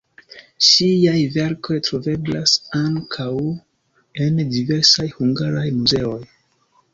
Ŝiaj verkoj troveblas ankaŭ en diversaj hungaraj muzeoj.